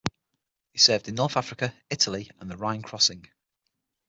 He served in North Africa, Italy and the Rhine Crossing.